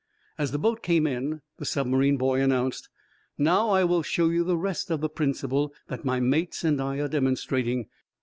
As the boat came in, the submarine boy announced: "Now, I will show you the rest of the principle that my mates and I are demonstrating.